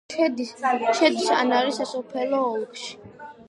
შედის ანარის სასოფლო ოლქში.